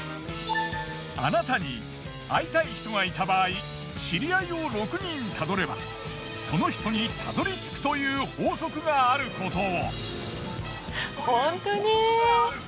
あなたに会いたい人がいた場合知り合いを６人たどればその人にたどり着くという法則があることを。